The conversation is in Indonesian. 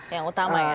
yang utama ya